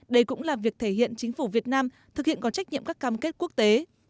đây cũng là việc thể hiện chính phủ việt nam thực hiện có trách nhiệm các cam kết quốc tế